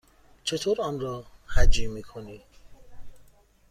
چطور آن را هجی می کنی؟